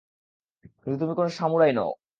কিন্তু তুমি কোন সামুরাই নও।